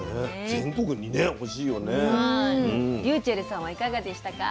ｒｙｕｃｈｅｌｌさんはいかがでしたか？